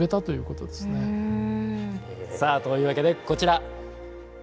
さあというわけでこちら！